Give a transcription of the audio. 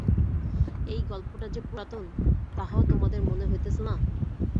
এই গল্পটা যে পুরাতন তাহাও তোমাদের মনে হইতেছে না?